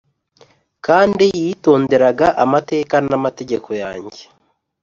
kandi yitonderaga amateka n amategeko yanjye